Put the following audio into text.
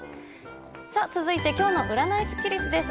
続いて今日の占いスッキりすです。